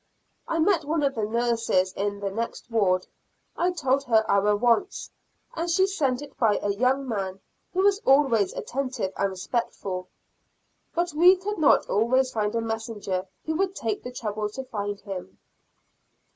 I met one of the nurses in the next ward; I told her our wants, and she sent it by a young man who was always attentive and respectful, but we could not always find a messenger who would take the trouble to find him.